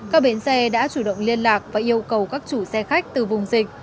các bến xe đã chủ động liên lạc và yêu cầu các chủ xe khách từ vùng dịch